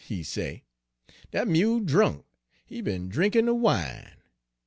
he say, 'dat mule drunk! he be'n drinkin' de wine.'